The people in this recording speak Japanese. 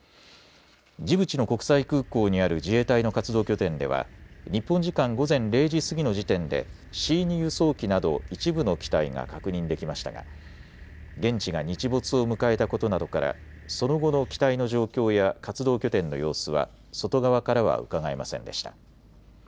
ジブチの国際空港にある自衛隊の活動拠点では日本時間午前０時過ぎの時点でＣ２輸送機など一部の機体が確認できましたが現地が日没を迎えたことなどからその後の機体の状況や活動拠点の様子は外側からはうかがえませんでした。